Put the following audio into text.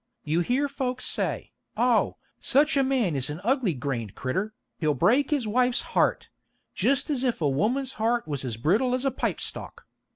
You hear folks say, Oh, such a man is an ugly grained critter, he'll break his wife's heart; jist as if a woman's heart was as brittle as a pipe stalk.